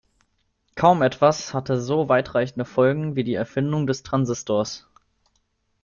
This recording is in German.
Kaum etwas hatte so weitreichende Folgen wie die Erfindung des Transistors.